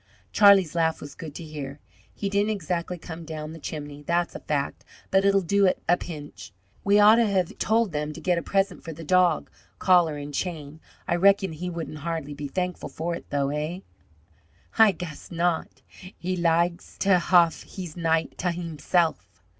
Charlie's laugh was good to hear. "He didn't exactly come down the chimney, that's a fact, but it'll do at a pinch. We ought to have told them to get a present for the dog collar and chain. I reckon he wouldn't hardly be thankful for it, though, eh?" "Ay gass not. Ha liges ta haf hes nights ta hemself."